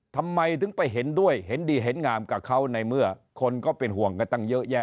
ทำไมถึงไปเห็นด้วยเห็นดีเห็นงามกับเขาในเมื่อคนก็เป็นห่วงกันตั้งเยอะแยะ